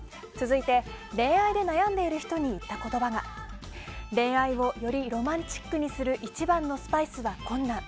恋愛で悩んでいる人に言った言葉が恋愛をよりロマンチックにする一番のスパイスは困難。